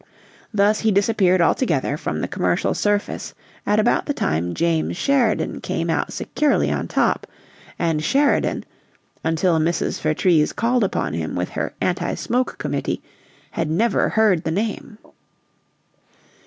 Thus he disappeared altogether from the commercial surface at about the time James Sheridan came out securely on top; and Sheridan, until Mrs. Vertrees called upon him with her "anti smoke" committee, had never heard the name.